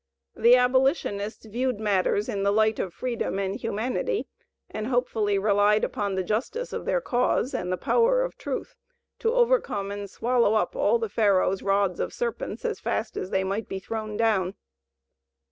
The abolitionists viewed matters in the light of freedom and humanity, and hopefully relied upon the justice of their cause and the power of truth to overcome and swallow up all the Pharaoh's rods of serpents as fast as they might be thrown down.